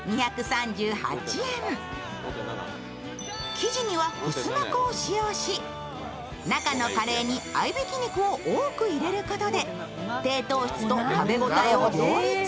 生地にはふすま粉を使用し、中のカレーに合びき肉を多く入れることで低糖質と食べ応えを両立。